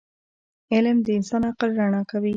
علم د انسان عقل رڼا کوي.